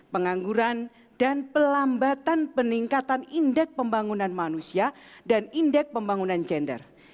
pengangguran dan pelambatan peningkatan indeks pembangunan manusia dan indeks pembangunan gender